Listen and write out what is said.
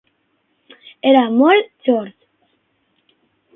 Era molt sord.